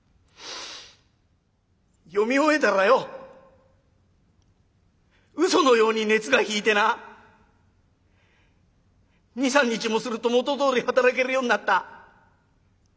読み終えたらようそのように熱が引いてな２３日もすると元どおり働けるようになった。